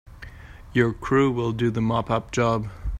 Your crew will do the mop up job.